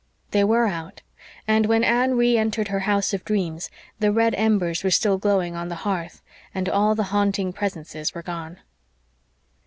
They were out; and when Anne re entered her house of dreams the red embers were still glowing on the hearth, and all the haunting presences were gone.